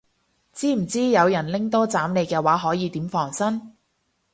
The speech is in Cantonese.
知唔知有人拎刀斬你嘅話可以點防身